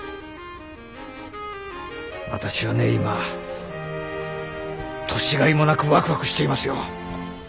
私はね今年がいもなくワクワクしていますよ。